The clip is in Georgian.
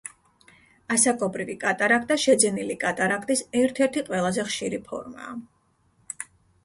ასაკობრივი კატარაქტა შეძენილი კატარაქტის ერთ-ერთი ყველაზე ხშირი ფორმაა.